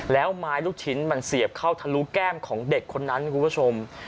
แล้วไม้ลูกชิ้นมันเสียบเข้าทะลุแก้มของเด็กคนนั้นคุณผู้ชม